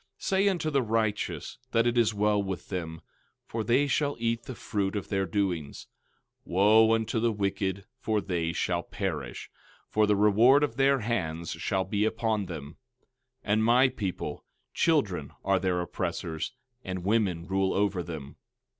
13:10 Say unto the righteous that it is well with them; for they shall eat the fruit of their doings. 13:11 Wo unto the wicked, for they shall perish; for the reward of their hands shall be upon them! 13:12 And my people, children are their oppressors, and women rule over them.